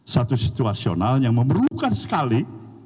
satu situasional yang memerlukan sekali